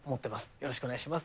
よろしくお願いします。